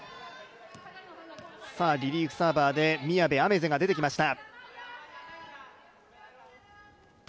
リリーフサーバーで宮部愛芽世が出てきました。